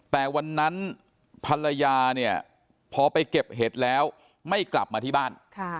แต่วันนั้นภรรยาเนี่ยพอไปเก็บเห็ดแล้วไม่กลับมาที่บ้าน